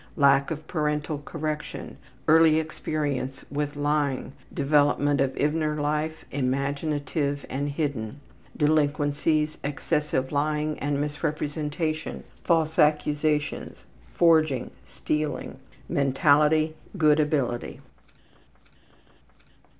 Case 8. Lack of parental correction. Girl, age 17 years. Early experience with lying. Development of inner life: Imaginative and hidden. Delinquencies: Excessive lying and misrepresentation. False accusations. Forging. Mentality: Stealing. Good ability.